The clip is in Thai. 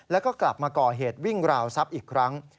แล้วก็กลับมาก่อเหตุวิ่งราวทรัพย์อีกครั้ง